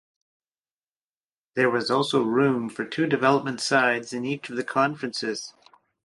There was also room for two development sides in each of the conferences.